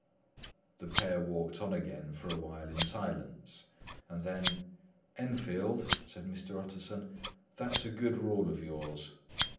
The pair walked on again for a while in silence; and then "Enfield," said Mr. Utterson, "that's a good rule of yours."